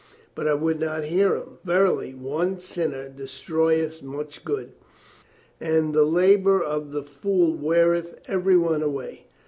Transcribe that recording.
But I would not hear him. Verily, one sinner destroyeth much good, and the labor of the fool weareth every one away.